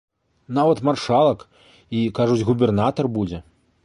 Нават маршалак і, кажуць, губернатар будзе.